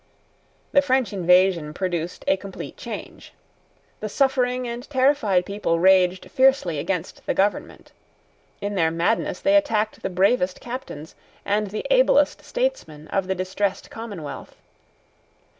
The French invasion produced a complete change. The suffering and terrified people raged fiercely against the government. In their madness they attacked the bravest captains and the ablest statesmen of the distressed commonwealth.